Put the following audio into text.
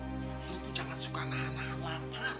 lu tuh jangan suka anak anak lapar